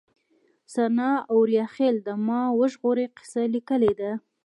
سناء اوریاخيل د ما وژغورئ کيسه ليکلې ده